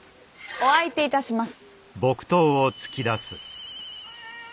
お相手いたします。